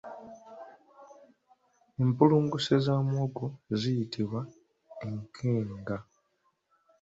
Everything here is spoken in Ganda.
Empulunguse za muwogo ziyitibwa enkenga.